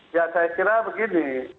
ya saya kira begini